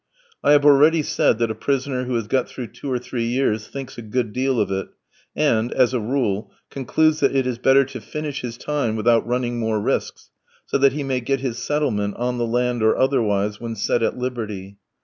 I have already said that a prisoner who has got through two or three years thinks a good deal of it, and, as a rule, concludes that it is best to finish his time without running more risks, so that he may get his settlement, on the land or otherwise, when set at liberty.